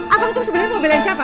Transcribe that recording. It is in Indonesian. abang tuh sebenernya mau belain siapa